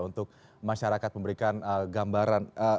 untuk masyarakat memberikan gambaran